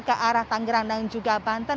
ke arah tanggerang dan juga banten